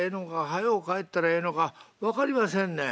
早う帰ったらええのか分かりませんねん。